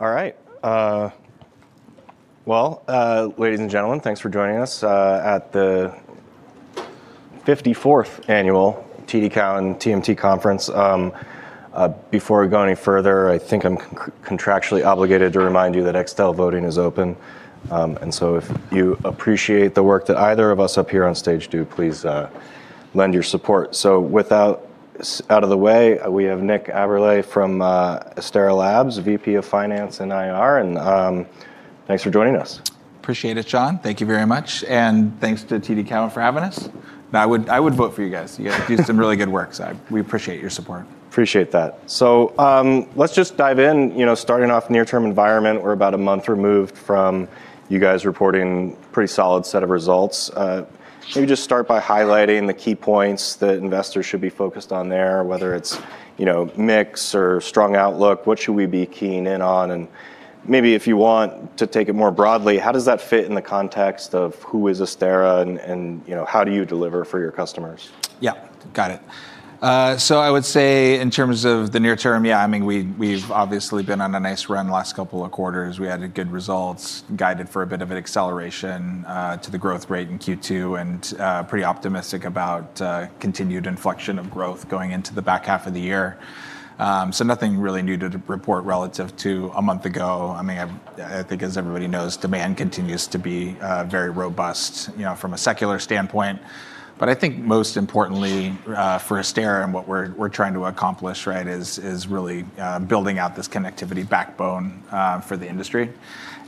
All right. Well, ladies and gentlemen, thanks for joining us at the 54th Annual TD Cowen TMT Conference. Before we go any further, I think I'm contractually obligated to remind you that Extel voting is open. If you appreciate the work that either of us up here on stage do, please lend your support. With that out of the way, we have Nick Aberle from Astera Labs, VP of Finance and IR, and thanks for joining us. Appreciate it, John. Thank you very much, and thanks to TD Cowen for having us. I would vote for you guys. You guys do some really good work, so we appreciate your support. Appreciate that. Let's just dive in. Starting off, near-term environment, we're about a month removed from you guys reporting a pretty solid set of results. Maybe just start by highlighting the key points that investors should be focused on there, whether it's mix or strong outlook, what should we be keying in on? Maybe if you want to take it more broadly, how does that fit in the context of who is Astera and how do you deliver for your customers? Yeah, got it. I would say in terms of the near term, yeah, we've obviously been on a nice run the last couple of quarters. We had good results, guided for a bit of an acceleration, to the growth rate in Q2, and pretty optimistic about continued inflection of growth going into the back half of the year. Nothing really new to report relative to a month ago. I think as everybody knows, demand continues to be very robust from a secular standpoint. I think most importantly for Astera and what we're trying to accomplish is really building out this connectivity backbone for the industry.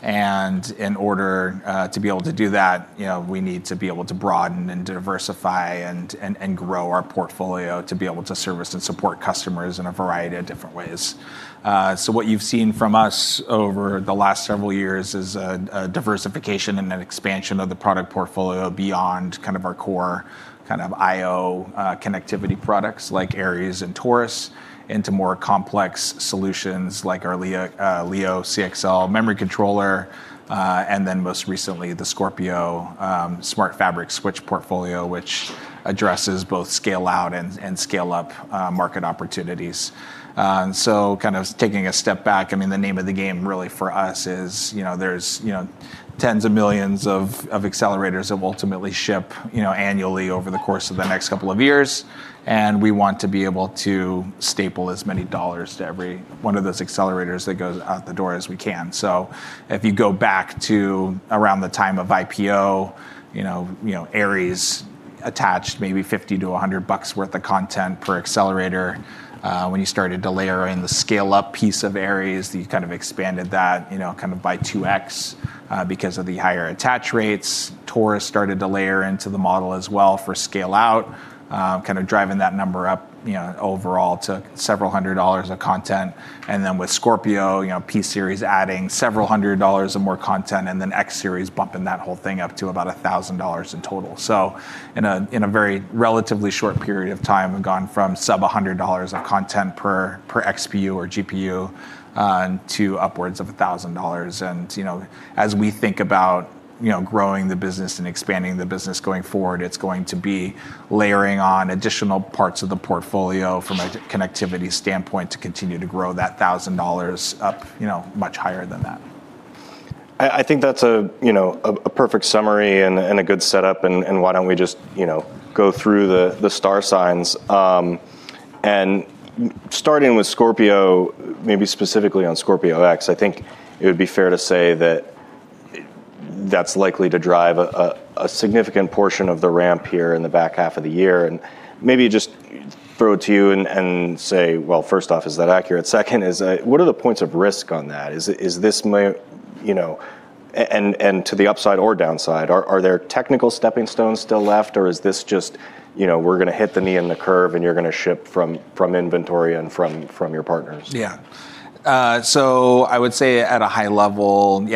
In order to be able to do that, we need to be able to broaden and diversify and grow our portfolio to be able to service and support customers in a variety of different ways. What you've seen from us over the last several years is a diversification and an expansion of the product portfolio beyond our core IO connectivity products like Aries and Taurus into more complex solutions like our Leo CXL Memory Controller, and then most recently the Scorpio Smart Fabric Switch portfolio, which addresses both scale-out and scale-up market opportunities. Taking a step back, the name of the game really for us is there's tens of millions of accelerators that will ultimately ship annually over the course of the next couple of years, and we want to be able to staple as many dollars to every one of those accelerators that goes out the door as we can. If you go back to around the time of IPO, Aries attached maybe $50-$100 worth of content per accelerator. When you started to layer in the scale-up piece of Aries, you expanded that by 2X, because of the higher attach rates. Taurus started to layer into the model as well for scale-out, driving that number up overall to several hundred dollars of content. With Scorpio P-Series adding several hundred dollars of more content, X-Series bumping that whole thing up to about $1,000 in total. In a very relatively short period of time, we've gone from sub $100 of content per XPU or GPU, to upwards of $1,000. As we think about growing the business and expanding the business going forward, it's going to be layering on additional parts of the portfolio from a connectivity standpoint to continue to grow that $1,000 up much higher than that. I think that's a perfect summary and a good setup, why don't we just go through the star signs. Starting with Scorpio, maybe specifically on Scorpio X-Series, I think it would be fair to say that that's likely to drive a significant portion of the ramp here in the back half of the year. Maybe just throw it to you and say, well, first off, is that accurate? Second is, what are the points of risk on that? To the upside or downside, are there technical steppingstones still left or is this just we're going to hit the knee in the curve and you're going to ship from inventory and from your partners? I would say at a high level,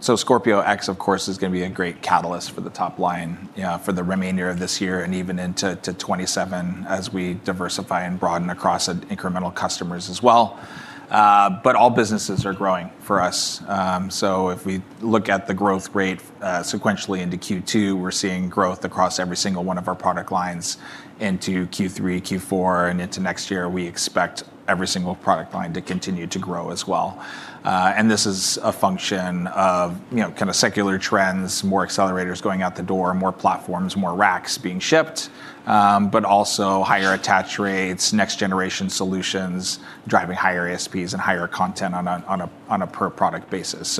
Scorpio X-Series of course is going to be a great catalyst for the top line for the remainder of this year and even into 2027 as we diversify and broaden across incremental customers as well. All businesses are growing for us. If we look at the growth rate sequentially into Q2, we're seeing growth across every single one of our product lines into Q3, Q4, and into next year. We expect every single product line to continue to grow as well. This is a function of secular trends, more accelerators going out the door, more platforms, more racks being shipped, but also higher attach rates, next generation solutions, driving higher ASPs and higher content on a per product basis.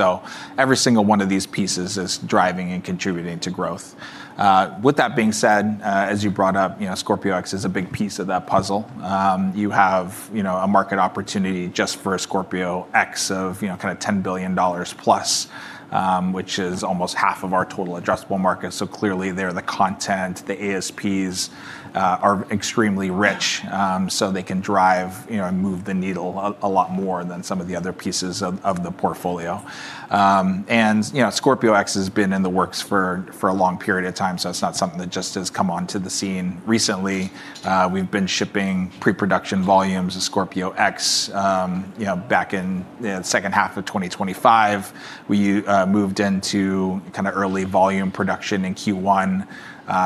Every single one of these pieces is driving and contributing to growth. With that being said, as you brought up, Scorpio X-Series is a big piece of that puzzle. You have a market opportunity just for Scorpio X-Series of $10 billion plus, which is almost half of our total addressable market. Clearly there the content, the ASPs are extremely rich, so they can drive and move the needle a lot more than some of the other pieces of the portfolio. Scorpio X-Series has been in the works for a long period of time, so it's not something that just has come onto the scene recently. We've been shipping pre-production volumes of Scorpio X-Series back in the second half of 2025. We moved into early volume production in Q1.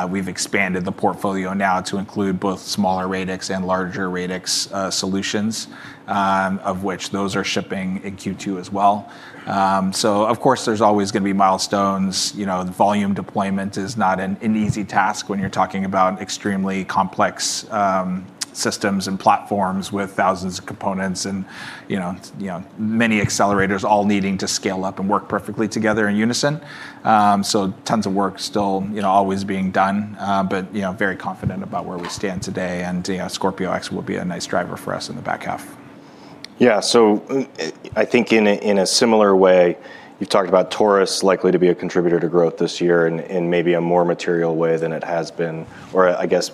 We've expanded the portfolio now to include both smaller radix and larger radix solutions, of which those are shipping in Q2 as well. Of course, there's always going to be milestones. Volume deployment is not an easy task when you're talking about extremely complex systems and platforms with thousands of components and many accelerators all needing to scale up and work perfectly together in unison. Tons of work still always being done. Very confident about where we stand today, and Scorpio X-Series will be a nice driver for us in the back half. Yes. I think in a similar way, you've talked about Taurus likely to be a contributor to growth this year in maybe a more material way than it has been, or I guess,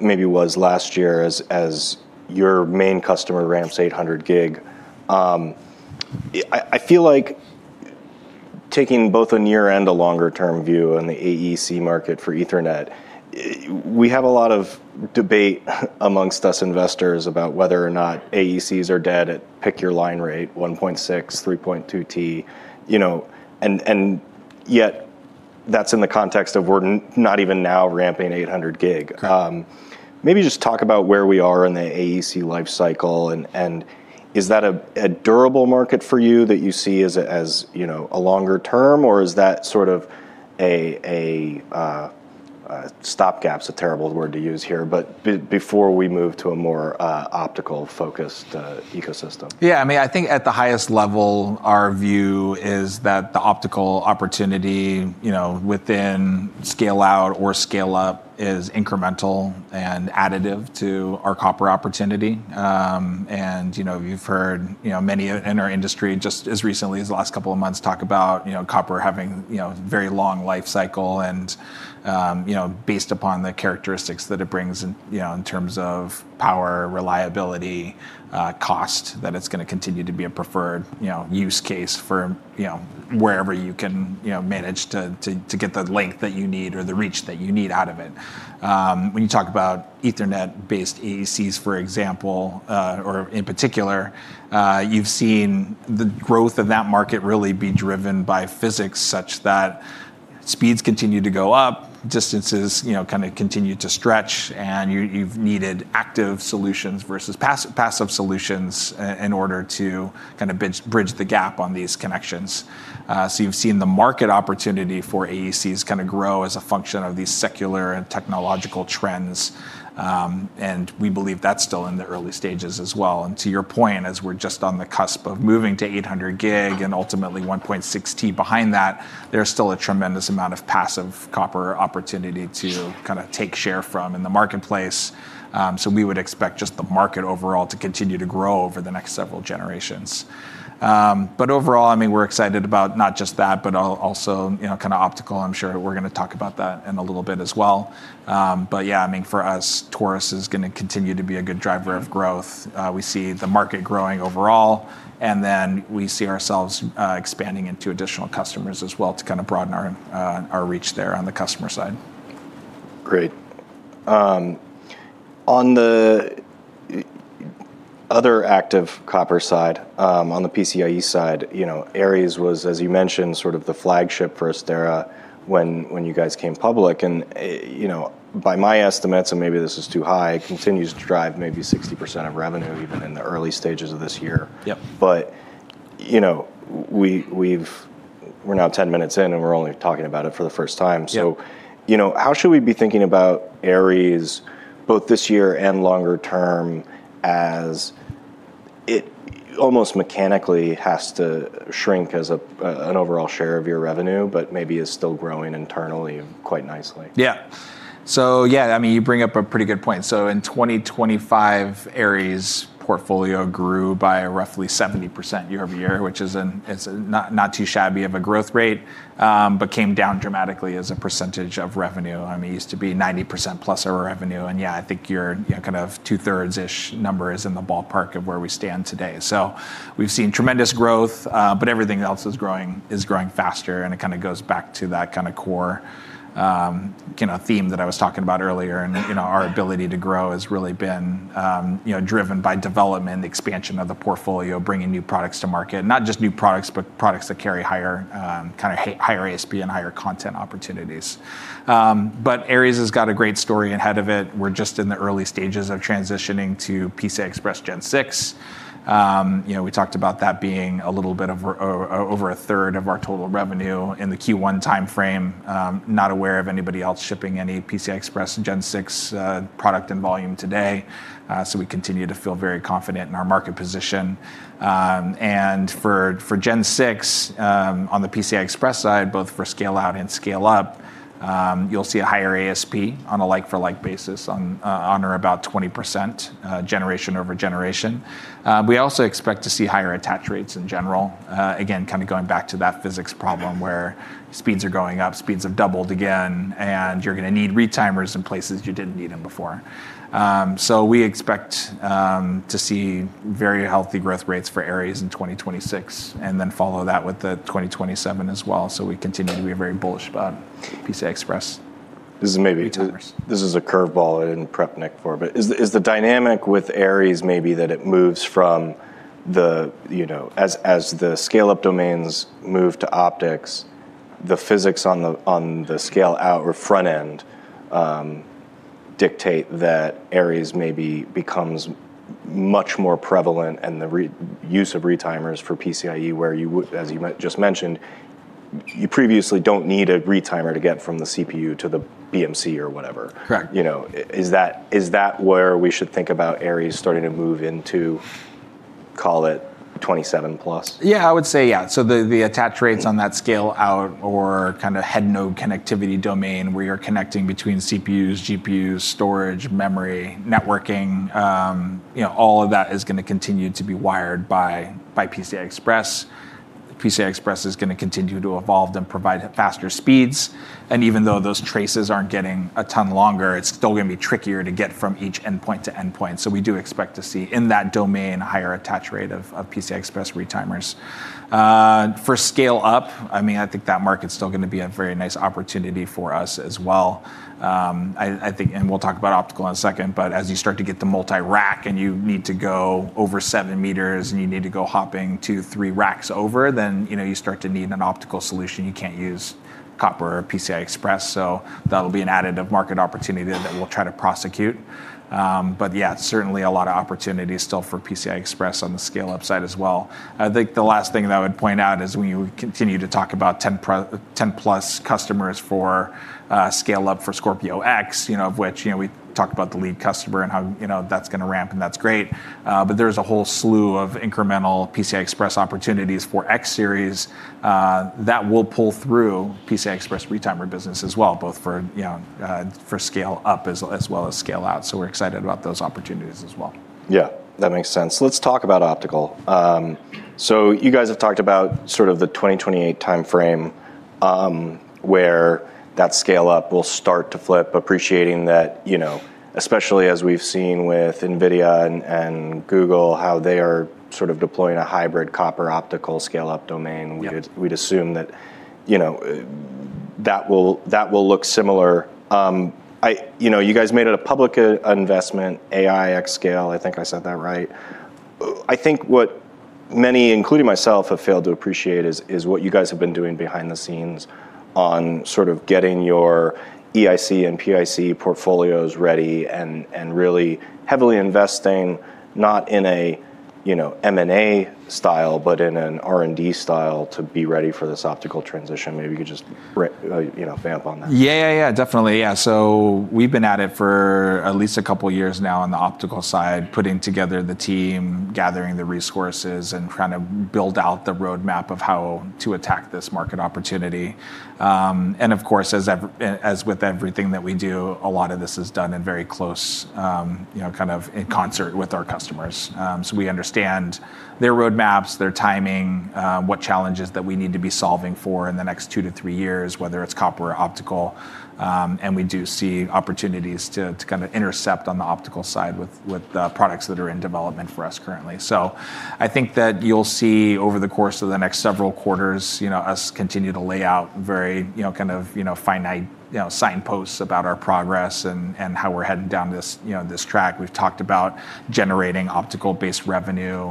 maybe was last year as your main customer ramps 800G. I feel like taking both a near and a longer-term view on the AEC market for Ethernet. We have a lot of debate amongst us investors about whether or not AEC are dead at pick your line rate 1.6T, 3.2T. Yet, that's in the context of we're not even now ramping 800G. Correct. Maybe just talk about where we are in the AEC life cycle, is that a durable market for you that you see as a longer term, or is that sort of a, stopgap's a terrible word to use here, but before we move to a more optical-focused ecosystem? Yeah. I think at the highest level, our view is that the optical opportunity within scale-out or scale-up is incremental and additive to our copper opportunity. You've heard many in our industry, just as recently as the last couple of months, talk about copper having very long life cycle and based upon the characteristics that it brings in terms of power, reliability, cost, that it's going to continue to be a preferred use case for wherever you can manage to get the length that you need or the reach that you need out of it. When you talk about Ethernet-based AEC, for example, or in particular, you've seen the growth of that market really be driven by physics such that speeds continue to go up, distances kind of continue to stretch, and you've needed active solutions versus passive solutions in order to kind of bridge the gap on these connections. You've seen the market opportunity for AEC kind of grow as a function of these secular and technological trends. We believe that's still in the early stages as well. To your point, as we're just on the cusp of moving to 800G and ultimately 1.6T behind that, there's still a tremendous amount of passive copper opportunity to kind of take share from in the marketplace. We would expect just the market overall to continue to grow over the next several generations. Overall, we're excited about not just that, but also optical. I'm sure we're going to talk about that in a little bit as well. But yeah, for us, Taurus is going to continue to be a good driver of growth. We see the market growing overall, and then we see ourselves expanding into additional customers as well to kind of broaden our reach there on the customer side. Great. On the other active copper side, on the PCIe side, Aries was, as you mentioned, sort of the flagship for Astera when you guys came public. By my estimates, and maybe this is too high, continues to drive maybe 60% of revenue even in the early stages of this year. Yep. We're now 10 minutes in, and we're only talking about it for the first time. Yep. How should we be thinking about Aries both this year and longer term as it almost mechanically has to shrink as an overall share of your revenue, but maybe is still growing internally quite nicely? Yeah. Yeah, you bring up a pretty good point. In 2025, Aries portfolio grew by roughly 70% year-over-year, which is not too shabby of a growth rate, but came down dramatically as a percentage of revenue. It used to be 90%+ of our revenue and yeah, I think your kind of 2/3 number is in the ballpark of where we stand today. We've seen tremendous growth, but everything else is growing faster and it kind of goes back to that kind of core theme that I was talking about earlier. Our ability to grow has really been driven by development, expansion of the portfolio, bringing new products to market. Not just new products, but products that carry higher ASP and higher content opportunities. Aries has got a great story ahead of it. We're just in the early stages of transitioning to PCI Express Gen 6. We talked about that being a little bit of over a third of our total revenue in the Q1 timeframe. Not aware of anybody else shipping any PCI Express Gen 6 product in volume today. We continue to feel very confident in our market position. For Gen 6, on the PCI Express side, both for scale-out and scale-up, you'll see a higher ASP on a like-for-like basis on or about 20% generation over generation. We also expect to see higher attach rates in general. Again, kind of going back to that physics problem where speeds are going up, speeds have doubled again, and you're going to need retimers in places you didn't need them before. We expect to see very healthy growth rates for Aries in 2026, and then follow that with the 2027 as well. We continue to be very bullish about PCI Express Retimers. This is a curve ball I didn't prep Nick for. Is the dynamic with Aries maybe that it moves from the, as the scale-up domains move to optics, the physics on the scale-out or front end dictate that Aries maybe becomes much more prevalent in the use of Retimers for PCIe where you would, as you just mentioned, you previously don't need a Retimers to get from the CPU to the BMC or whatever? Correct. Is that where we should think about Aries starting to move into, call it 2027 plus? Yeah, I would say yeah. The attach rates on that scale-out or head node connectivity domain where you're connecting between CPUs, GPUs, storage, memory, networking, all of that is going to continue to be wired by PCI Express. PCI Express is going to continue to evolve and provide faster speeds, and even though those traces aren't getting a ton longer, it's still going to be trickier to get from each endpoint to endpoint. We do expect to see, in that domain, a higher attach rate of PCI Express Retimers. For scale-up, I think that market's still going to be a very nice opportunity for us as well. We'll talk about optical in a second, but as you start to get to multi-rack and you need to go over seven meters and you need to go hopping two, three racks over, you start to need an optical solution. You can't use copper or PCI Express. That'll be an additive market opportunity that we'll try to prosecute. Certainly a lot of opportunities still for PCI Express on the scale-up side as well. The last thing that I would point out is we continue to talk about 10+ customers for scale-up for Scorpio X-Series, of which we talked about the lead customer and how that's going to ramp, and that's great. There's a whole slew of incremental PCI Express opportunities for X-Series, that will pull through PCI Express Retimer business as well, both for scale-up as well as scale-out. We're excited about those opportunities as well. Yeah, that makes sense. Let's talk about optical. You guys have talked about sort of the 2028 timeframe, where that scale-up will start to flip, appreciating that, especially as we've seen with NVIDIA and Google, how they are sort of deploying a hybrid copper optical scale-up domain. Yep. We'd assume that will look similar. You guys made it a public investment, aiXscale, I think I said that right. I think what many, including myself, have failed to appreciate is what you guys have been doing behind the scenes on sort of getting your EIC and PIC portfolios ready and really heavily investing, not in a M&A style, but in an R&D style to be ready for this optical transition. Maybe you could just vamp on that. Yeah. Definitely. Yeah. We've been at it for at least a couple of years now on the optical side, putting together the team, gathering the resources, and trying to build out the roadmap of how to attack this market opportunity. Of course, as with everything that we do, a lot of this is done in very close, in concert with our customers. We understand their roadmaps, their timing, what challenges that we need to be solving for in the next two to three years, whether it's copper or optical. We do see opportunities to kind of intercept on the optical side with the products that are in development for us currently. I think that you'll see over the course of the next several quarters, us continue to lay out very finite signposts about our progress and how we're heading down this track. We've talked about generating optical-based revenue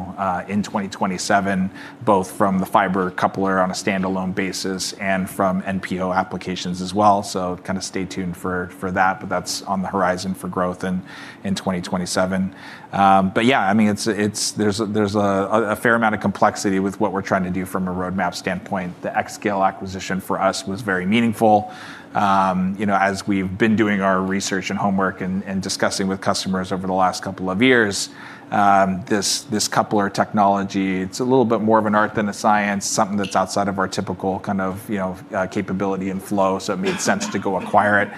in 2027, both from the fiber coupler on a standalone basis and from NPO applications as well. Kind of stay tuned for that, but that's on the horizon for growth in 2027. Yeah, there's a fair amount of complexity with what we're trying to do from a roadmap standpoint. The XScale acquisition for us was very meaningful. As we've been doing our research and homework and discussing with customers over the last couple of years, this coupler technology, it's a little bit more of an art than a science, something that's outside of our typical kind of capability and flow. It made sense to go acquire it.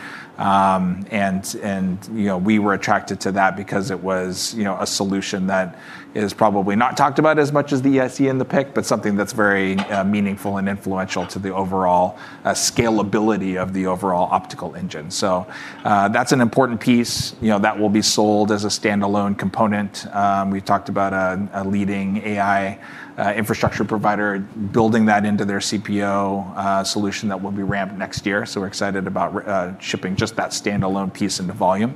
We were attracted to that because it was a solution that is probably not talked about as much as the EIC and the PIC, but something that's very meaningful and influential to the overall scalability of the overall optical engine. That's an important piece that will be sold as a standalone component. We've talked about a leading AI infrastructure provider building that into their CPO solution that will be ramped next year. We're excited about shipping just that standalone piece into volume.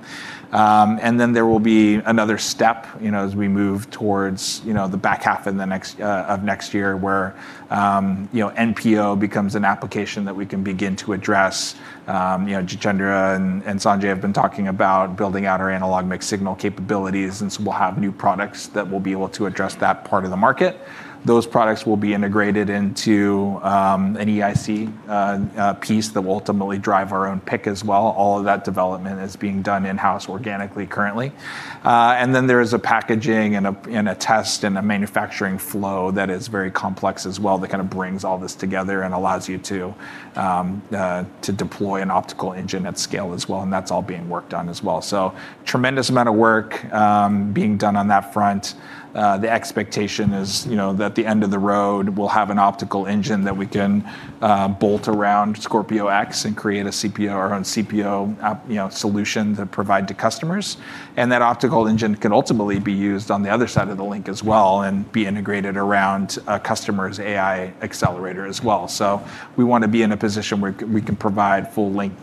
There will be another step as we move towards the back half of next year where NPO becomes an application that we can begin to address. Jitendra and Sanjay have been talking about building out our analog mixed-signal capabilities. We'll have new products that will be able to address that part of the market. Those products will be integrated into an EIC piece that will ultimately drive our own PIC as well. All of that development is being done in-house organically currently. There is a packaging and a test and a manufacturing flow that is very complex as well, that kind of brings all this together and allows you to deploy an optical engine at scale as well, and that's all being worked on as well. Tremendous amount of work being done on that front. The expectation is that the end of the road will have an optical engine that we can bolt around Scorpio X and create our own CPO solution to provide to customers. That optical engine can ultimately be used on the other side of the link as well and be integrated around a customer's AI accelerator as well. We want to be in a position where we can provide full link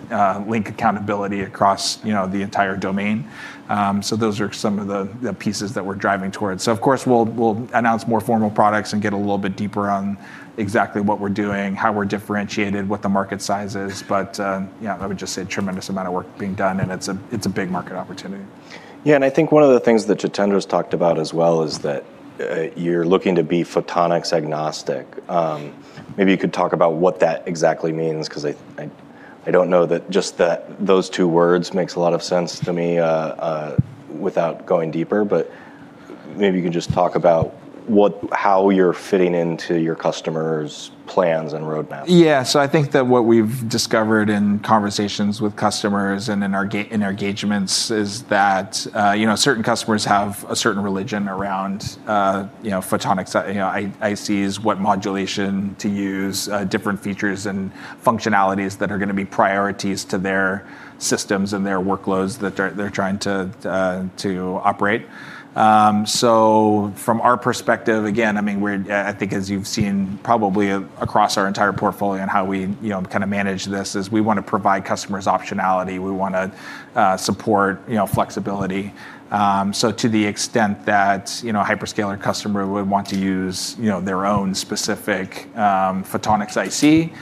accountability across the entire domain. Those are some of the pieces that we're driving towards. Of course, we'll announce more formal products and get a little bit deeper on exactly what we're doing, how we're differentiated, what the market size is. I would just say tremendous amount of work being done, and it's a big market opportunity. Yeah, and I think one of the things that Jitendra's talked about as well is that you're looking to be photonics agnostic. Maybe you could talk about what that exactly means, because I don't know that just those two words make a lot of sense to me without going deeper, but maybe you can just talk about how you're fitting into your customers' plans and roadmaps. I think that what we've discovered in conversations with customers and in our engagements is that certain customers have a certain religion around photonic ICs, what modulation to use, different features, and functionalities that are going to be priorities to their systems and their workloads that they're trying to operate. From our perspective, again, I think as you've seen probably across our entire portfolio and how we manage this, is we want to provide customers optionality. We want to support flexibility. To the extent that a hyperscaler customer would want to use their own specific photonic IC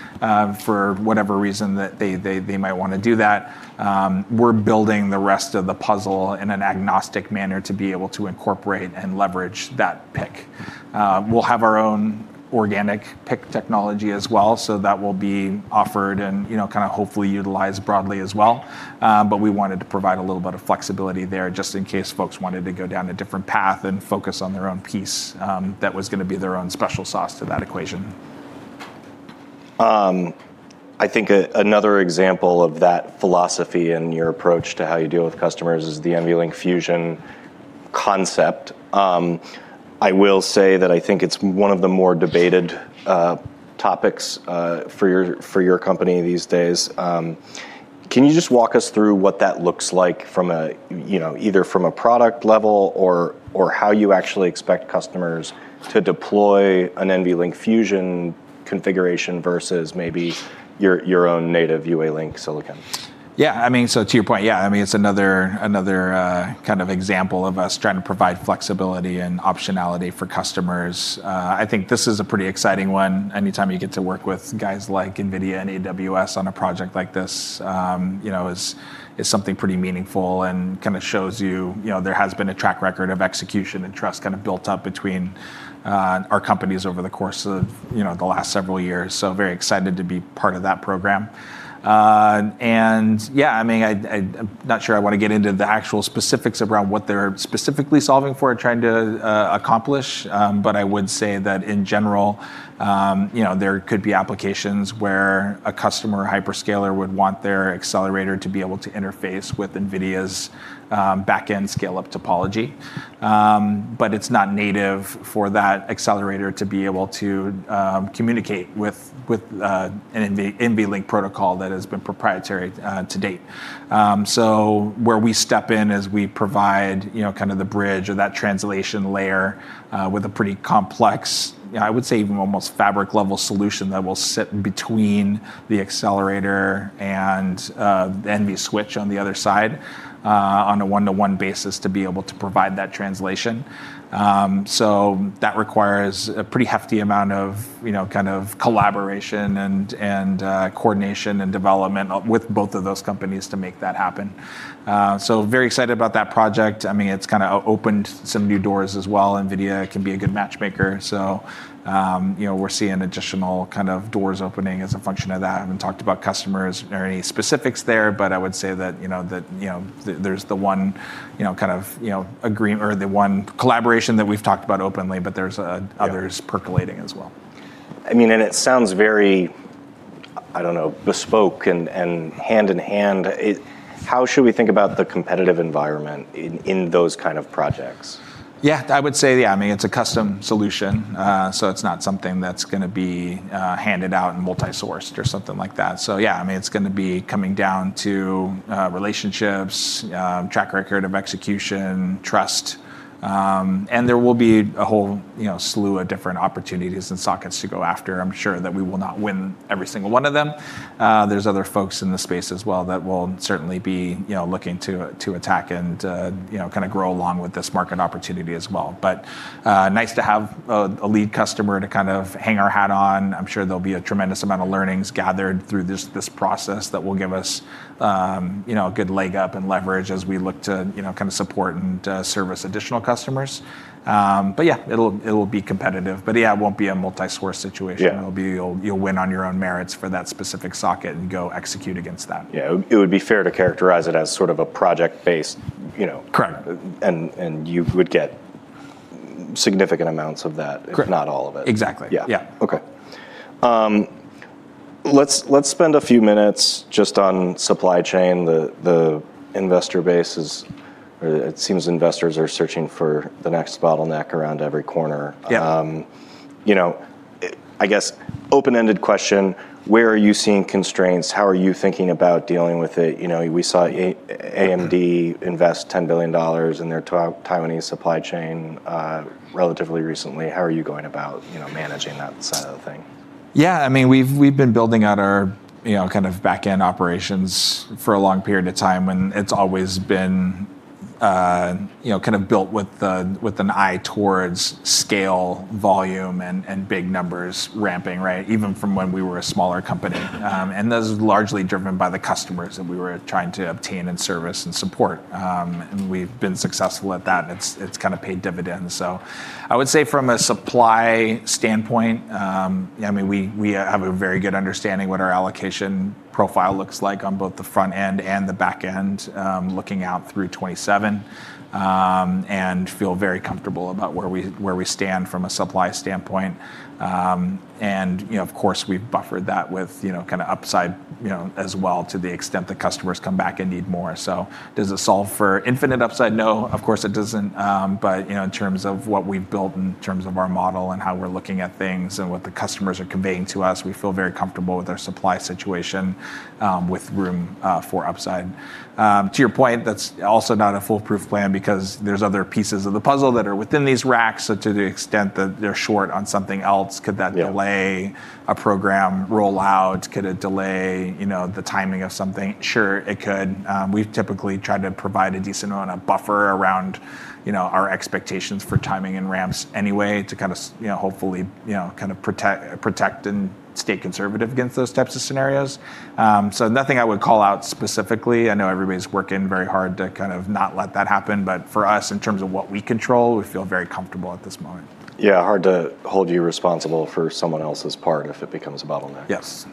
for whatever reason that they might want to do that, we're building the rest of the puzzle in an agnostic manner to be able to incorporate and leverage that PIC. We'll have our own organic PIC technology as well, so that will be offered and hopefully utilized broadly as well. We wanted to provide a little bit of flexibility there just in case folks wanted to go down a different path and focus on their own piece that was going to be their own special sauce to that equation. I think another example of that philosophy and your approach to how you deal with customers is the NVLink Fusion concept. I will say that I think it's one of the more debated topics for your company these days. Can you just walk us through what that looks like either from a product level or how you actually expect customers to deploy an NVLink Fusion configuration versus maybe your own native UALink silicon? Yeah. To your point, yeah, it's another example of us trying to provide flexibility and optionality for customers. I think this is a pretty exciting one. Anytime you get to work with guys like NVIDIA and AWS on a project like this is something pretty meaningful and shows you there has been a track record of execution and trust built up between our companies over the course of the last several years. Very excited to be part of that program. Yeah, I'm not sure I want to get into the actual specifics around what they're specifically solving for or trying to accomplish. I would say that in general, there could be applications where a customer hyperscaler would want their accelerator to be able to interface with NVIDIA's backend scale-up topology. It's not native for that accelerator to be able to communicate with an NVLink protocol that has been proprietary to date. Where we step in is we provide the bridge or that translation layer, with a pretty complex, I would say even almost fabric-level solution that will sit between the accelerator and the NVSwitch on the other side, on a 1:1 basis to be able to provide that translation. That requires a pretty hefty amount of collaboration and coordination and development with both of those companies to make that happen. Very excited about that project. It's opened some new doors as well. NVIDIA can be a good matchmaker, so we're seeing additional doors opening as a function of that. I haven't talked about customers or any specifics there, but I would say that there's the one collaboration that we've talked about openly, but there's others percolating as well. It sounds very, I don't know, bespoke and hand-in-hand. How should we think about the competitive environment in those kind of projects? Yeah, I would say, yeah, it's a custom solution, so it's not something that's going to be handed out and multi-sourced or something like that. Yeah, it's going to be coming down to relationships, track record of execution, trust. There will be a whole slew of different opportunities and sockets to go after. I'm sure that we will not win every single one of them. There's other folks in the space as well that will certainly be looking to attack and grow along with this market opportunity as well. Nice to have a lead customer to hang our hat on. I'm sure there'll be a tremendous amount of learnings gathered through this process that will give us a good leg up and leverage as we look to support and service additional customers. Yeah, it'll be competitive. Yeah, it won't be a multi-source situation. Yeah. You'll win on your own merits for that specific socket and go execute against that. Yeah. It would be fair to characterize it. Correct You would get significant amounts of that. Correct. If not all of it. Exactly. Yeah. Yeah. Okay. Let's spend a few minutes just on supply chain. The investor base is, or it seems investors are searching for the next bottleneck around every corner. Yeah. I guess, open-ended question, where are you seeing constraints? How are you thinking about dealing with it? We saw AMD invest $10 billion in their Taiwanese supply chain relatively recently. How are you going about managing that side of the thing? Yeah, we've been building out our backend operations for a long period of time, and it's always been kind of built with an eye towards scale, volume, and big numbers ramping, right? Even from when we were a smaller company. That was largely driven by the customers that we were trying to obtain and service and support. We've been successful at that, and it's kind of paid dividends. I would say from a supply standpoint, we have a very good understanding what our allocation profile looks like on both the front end and the back end, looking out through 2027, and feel very comfortable about where we stand from a supply standpoint. Of course, we've buffered that with kind of upside as well to the extent that customers come back and need more. Does this solve for infinite upside? No, of course it doesn't. In terms of what we've built in terms of our model and how we're looking at things and what the customers are conveying to us, we feel very comfortable with our supply situation, with room for upside. To your point, that's also not a foolproof plan because there's other pieces of the puzzle that are within these racks. To the extent that they're short on something else, could that delay a program rollout? Could it delay the timing of something? Sure, it could. We've typically tried to provide a decent amount of buffer around our expectations for timing and ramps anyway to kind of hopefully protect and stay conservative against those types of scenarios. Nothing I would call out specifically. I know everybody's working very hard to kind of not let that happen, but for us, in terms of what we control, we feel very comfortable at this moment. Hard to hold you responsible for someone else's part if it becomes a bottleneck. Yes.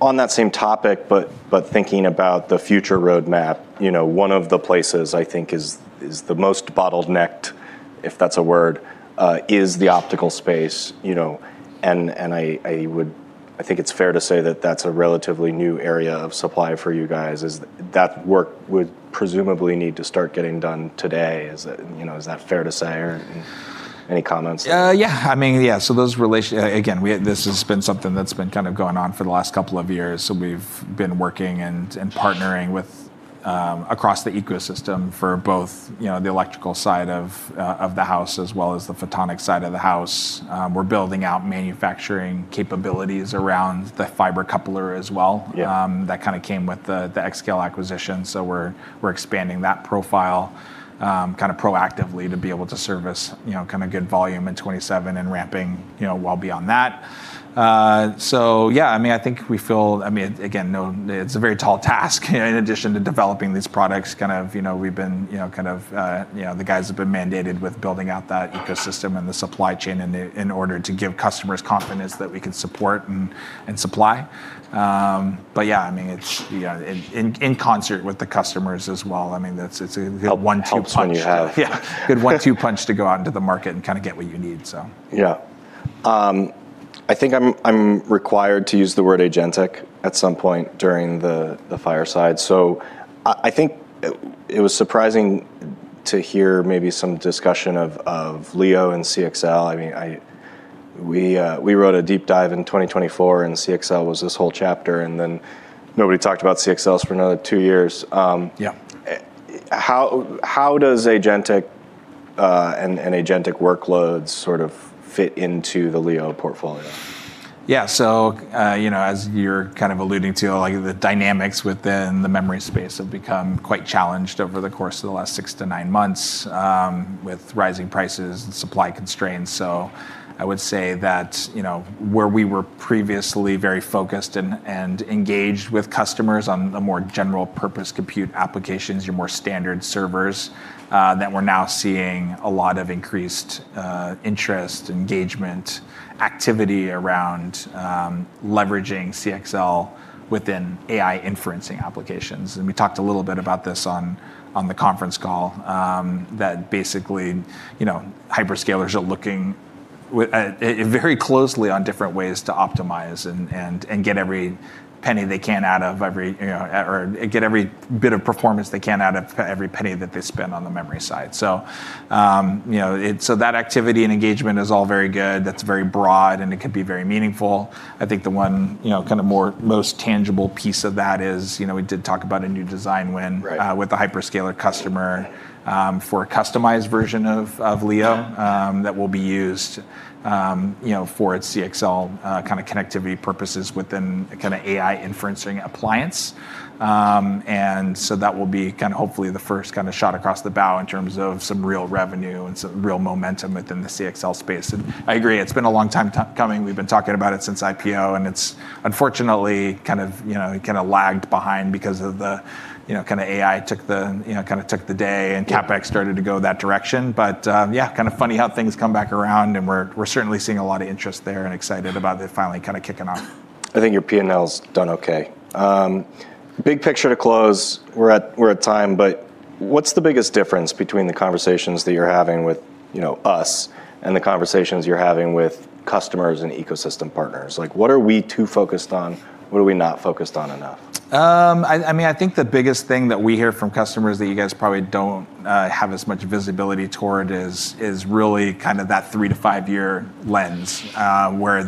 On that same topic, thinking about the future roadmap, one of the places I think is the most bottlenecked, if that's a word, is the optical space. I think it's fair to say that that's a relatively new area of supply for you guys, is that work would presumably need to start getting done today. Is that fair to say or any comments there? Yeah. Again, this has been something that's been kind of going on for the last couple of years. We've been working and partnering with across the ecosystem for both the electrical side of the house as well as the photonic side of the house. We're building out manufacturing capabilities around the fiber coupler as well. Yeah. That kind of came with the Xscale acquisition. We're expanding that profile kind of proactively to be able to service kind of good volume in 2027 and ramping well beyond that. Yeah, I think we feel. Again, it's a very tall task. In addition to developing these products, the guys have been mandated with building out that ecosystem and the supply chain in order to give customers confidence that we can support and supply. Yeah, in concert with the customers as well. It's a good one-two punch. Helps when you have. Yeah. Good one-two punch to go out into the market and kind of get what you need, so. Yeah. I think I'm required to use the word agentic at some point during the fireside. I think it was surprising to hear maybe some discussion of Leo and CXL. We wrote a deep dive in 2024, and CXL was this whole chapter, and then nobody talked about CXLs for another two years. Yeah. How does agentic and agentic workloads sort of fit into the Leo portfolio? Yeah. As you're kind of alluding to, the dynamics within the memory space have become quite challenged over the course of the last six to nine months, with rising prices and supply constraints. I would say that where we were previously very focused and engaged with customers on the more general purpose compute applications, your more standard servers, that we're now seeing a lot of increased interest, engagement, activity around leveraging CXL within AI inferencing applications. We talked a little bit about this on the conference call, that basically hyperscalers are looking very closely on different ways to optimize and get every penny they can, or get every bit of performance they can out of every penny that they spend on the memory side. That activity and engagement is all very good. That's very broad, and it could be very meaningful. I think the one kind of more most tangible piece of that is we did talk about a new design win. Right. With a hyperscaler customer, for a customized version of Leo that will be used for its CXL kind of connectivity purposes within a kind of AI inferencing appliance. That will be hopefully the first shot across the bow in terms of some real revenue and some real momentum within the CXL space. I agree, it's been a long time coming. We've been talking about it since IPO, and it's unfortunately kind of lagged behind because AI kind of took the day, and CapEx started to go that direction. Yeah, kind of funny how things come back around, and we're certainly seeing a lot of interest there and excited about it finally kind of kicking off. I think your P&L's done okay. Big picture to close. We're at time, but what's the biggest difference between the conversations that you're having with us and the conversations you're having with customers and ecosystem partners? What are we too focused on? What are we not focused on enough? I think the biggest thing that we hear from customers that you guys probably don't have as much visibility toward is really kind of that three to five-year lens, where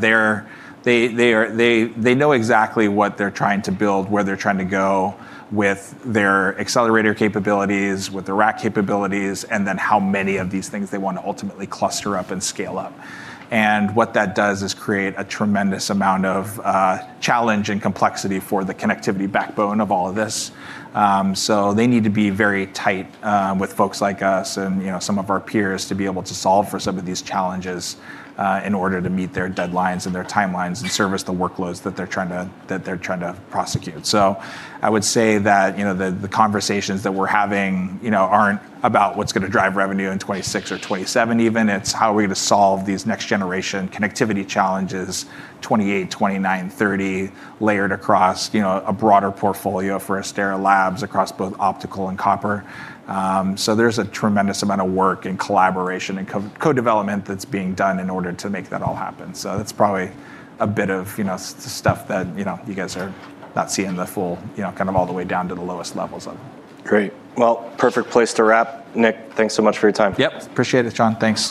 they know exactly what they're trying to build, where they're trying to go with their accelerator capabilities, with their rack capabilities, then how many of these things they want to ultimately cluster up and scale up. What that does is create a tremendous amount of challenge and complexity for the connectivity backbone of all of this. They need to be very tight with folks like us and some of our peers to be able to solve for some of these challenges in order to meet their deadlines and their timelines and service the workloads that they're trying to prosecute. I would say that the conversations that we're having aren't about what's going to drive revenue in 2026 or 2027 even. It's how are we going to solve these next generation connectivity challenges, 2028, 2029, 2030, layered across a broader portfolio for Astera Labs across both optical and copper. There's a tremendous amount of work and collaboration and co-development that's being done in order to make that all happen. That's probably a bit of stuff that you guys are not seeing the full, kind of all the way down to the lowest levels of. Great. Well, perfect place to wrap. Nick, thanks so much for your time. Yep. Appreciate it, John. Thanks.